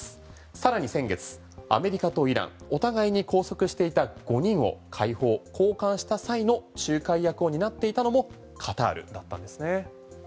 さらに先月アメリカとイランお互いに拘束していた５人を介抱・交換した際の仲介役を担っていたのもカタールだったんですね。